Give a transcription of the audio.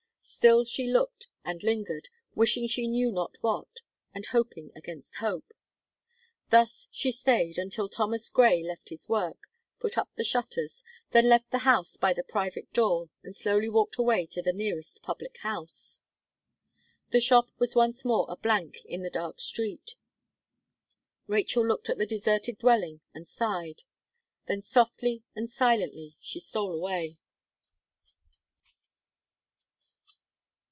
Still she looked and lingered, wishing she knew not what; and hoping against hope. Thus she stayed, until Thomas Gray left his work, put up the shutters, then left the house by the private door, and slowly walked away to the nearest public house. The shop was once more a blank in the dark street. Rachel looked at the deserted dwelling and sighed; than softly and silently she stole away.